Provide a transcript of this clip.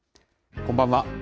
こんばんは。